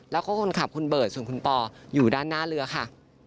แล้วก็คนขับคุณเบิร์ตส่วนคุณปออยู่ด้านหน้าเรือค่ะ